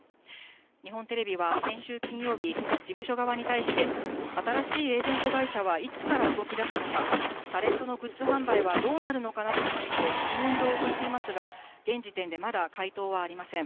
日本テレビは先週金曜日、事務所側に対して、新しいエージェント会社はいつから動きだすのか、タレントのグッズ販売はどうなるのかなどについて質問状を送っていますが、現時点でまだ回答はありません。